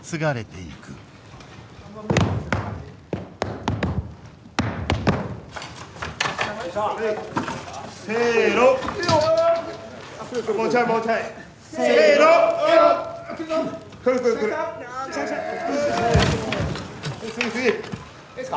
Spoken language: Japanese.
いいですか。